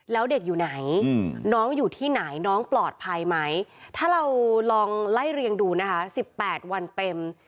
แล้วเด็กอยู่ไหนน้องอยู่ที่ไหนน้องปลอดภัยไหมถ้าเราลองไล่เรียงดูนะคะ๑๘วันเต็ม